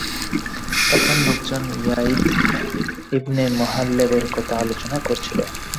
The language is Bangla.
তখন লোকজন য়াযীদ ইবন মুহাল্লাবের কথা আলোচনা করছিল।